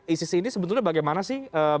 isi isi ini sebetulnya bagaimana sih